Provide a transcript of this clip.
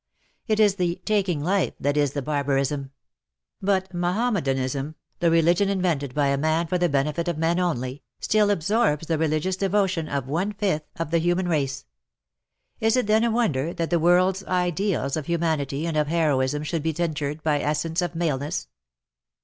It is the "taking life" that is the barbarism. But Mahommedanism — the religion invented by a man for the benefit of men only, still absorbs the reliorious devotion of one fifth of the human race. Is it then a wonder that the world's Ideals of humanity and of heroism should be tinctured by essence of maleness